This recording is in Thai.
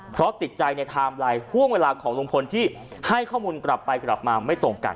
เพราะติดใจในไทม์ไลน์ห่วงเวลาของลุงพลที่ให้ข้อมูลกลับไปกลับมาไม่ตรงกัน